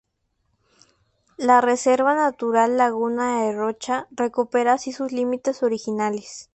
La Reserva Natural Laguna de Rocha recupera así sus límites originales.